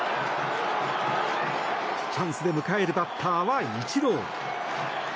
チャンスで迎えるバッターはイチロー。